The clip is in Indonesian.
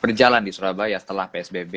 berjalan di surabaya setelah psbb